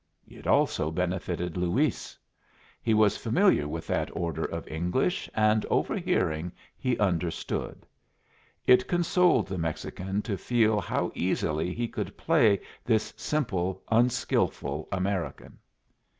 It also benefited Luis. He was familiar with that order of English, and, overhearing, he understood. It consoled the Mexican to feel how easily he could play this simple, unskilful American.